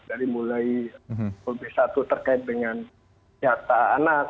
mulai dari covid sembilan belas terkait dengan kesehatan anak